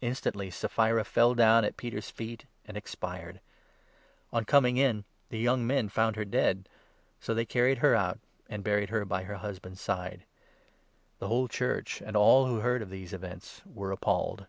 Instantly Sapphira fell down at Peter's feet and expired. On 10 coming in, the young men found her dead ; so they carried her out and buried her by her husband's side. The whole n Church and all who heard of these events were appalled.